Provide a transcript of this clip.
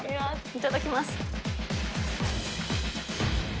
いただきます。